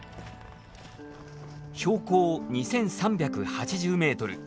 標高２，３８０メートル。